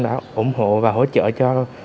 đã ủng hộ và hỗ trợ cho